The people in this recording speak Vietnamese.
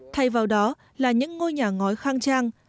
thay vào đó là những ngôi nhà ngói khang trang